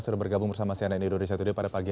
sudah bergabung bersama sianet indonesia today